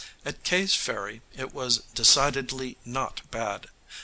At K 's Ferry it was decidedly not bad.